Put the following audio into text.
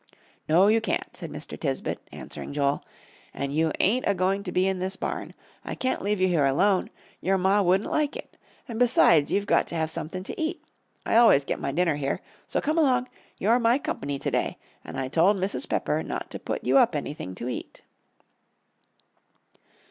"No, you can't," said Mr. Tisbett, answering Joel. "And you ain't a goin' to be in this barn. I can't leave you here alone. Your Ma wouldn't like it. And besides, you've got to have somethin' to eat. I always get my dinner here. So come along; you're my company to day, an' I told Mrs. Pepper not to put you up anything to eat."